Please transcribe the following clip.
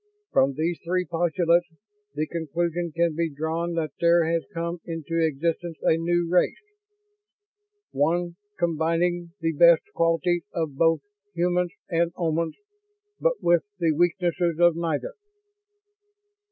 From these three postulates the conclusion can be drawn that there has come into existence a new race. One combining the best qualities of both humans and Omans, but with the weaknesses of neither."